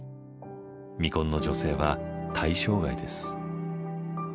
未婚の女性は対象外です。